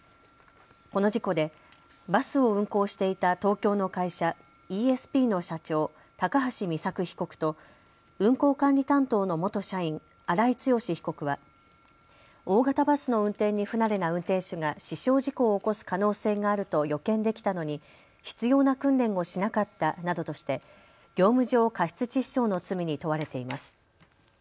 この事故でバスを運行していた東京の会社、イーエスピーの社長、高橋美作被告と運行管理担当の元社員、荒井強被告は大型バスの運転に不慣れな運転手が死傷事故を起こす可能性があると予見できたのに必要な訓練をしなかったなどとして業務上過失致死傷の罪に問われています。